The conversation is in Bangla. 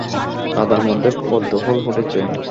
কাদার মধ্যে পদ্ম ফুল ফুটেছে।